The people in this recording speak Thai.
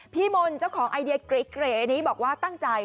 พี่มนต์เจ้าของไอเดียเก๋นี้บอกว่าตั้งใจ